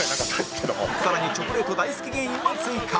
更にチョコレート大好き芸人も追加